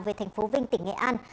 về thành phố vinh tỉnh nghệ an